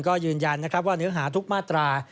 ก็ยืนยันนะครับว่าเนื้อหาทุกมาตรา